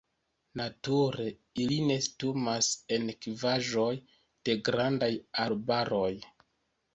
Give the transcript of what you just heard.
Nature ili nestumas en kavaĵoj de grandaj arboj.